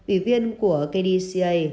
ủy viên của kdca